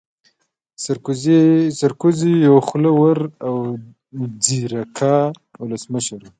سرکوزی يو خوله ور او ځيرکا ولسمشر وو